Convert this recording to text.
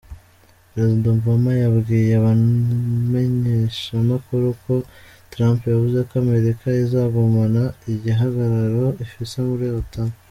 Prezida Obama yabwiye abamenyeshamakuru ko Trump yavuze ko Amerika izogumana igihagararo ifise muri Otan.